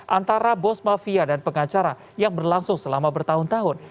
antara bos mafia dan pengacara yang berlangsung selama bertahun tahun